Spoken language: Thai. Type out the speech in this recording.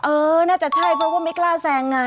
เออน่าจะใช่เพราะว่าไม่กล้าแซงไง